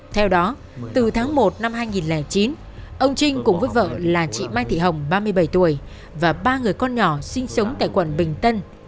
theo đó từ tháng một năm hai nghìn chín ông trinh cùng với vợ là chị mai thị hồng ba mươi bảy tuổi và ba người con nhỏ sinh sống tại quận bình tân